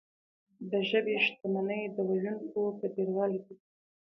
د ژبې شتمني د ویونکو په ډیروالي کې ده.